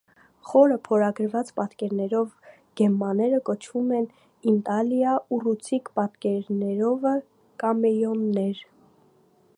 Խորը փորագրված պատկերներով գեմմաները կոչվում են ինտալիա, ուռուցիկ պատկերներովը՝ կամեյոններ։